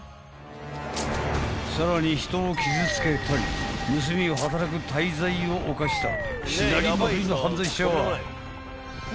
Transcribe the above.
［さらに人を傷つけたり盗みを働く大罪を犯したしなりまくりの犯罪者は］